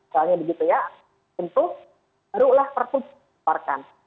soalnya begitu ya tentu barulah prp dikeluarkan